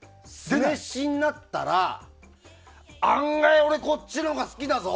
酢飯になったら案外、俺こっちのほうが好きだぞ。